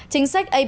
chính sách apnop